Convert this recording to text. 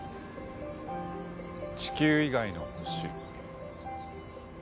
地球以外の星。